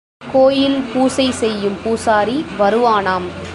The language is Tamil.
கோயில் பூசை செய்யும் பூசாரி வருவானாம்.